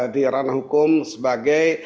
di ranah hukum sebagai